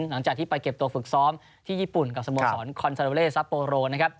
หลังจากที่ไปเก็บตัวฝึกซ้อมที่ญี่ปุ่นกับสโมสรคอนซาโดเลซัปโปโรนะครับ